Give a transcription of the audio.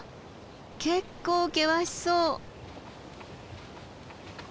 結構険しそう。